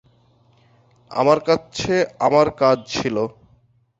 আমার কাছে আমার কাজ ছিলো।